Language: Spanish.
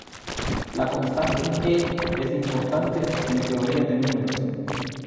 La constante "e" es importante en teoría de números.